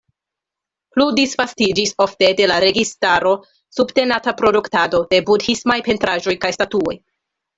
Plu disvastiĝis ofte de la registaro subtenata produktado de budhismaj pentraĵoj kaj statuoj.